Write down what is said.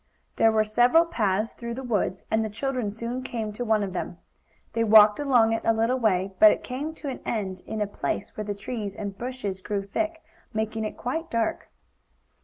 There were several paths through the woods, and the children soon came to one of them. They walked along it a little way, but it came to an end in a place where the trees and bushes grew thick, making it quite dark.